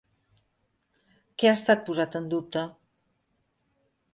Què ha estat posat en dubte?